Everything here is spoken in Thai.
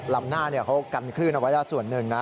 ลำหน้าเนี่ยเค้ากัดขึ้นเอาไว้ด้านส่วนหนึ่งนะ